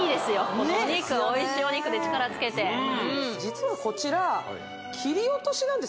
このお肉おいしいお肉で力つけて実はこちらえっ？